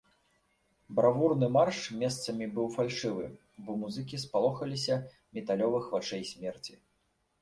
Бравурны марш месцамі быў фальшывы, бо музыкі спалохаліся металёвых вачэй смерці.